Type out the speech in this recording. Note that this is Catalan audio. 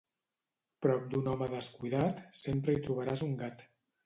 Prop d'un home descuidat sempre hi trobaràs un gat.